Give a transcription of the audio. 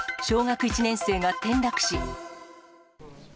小学１年生が転落死。